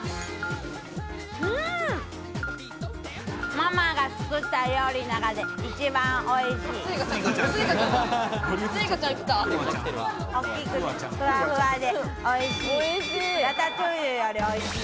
ママが作った料理の中で一番おいしい。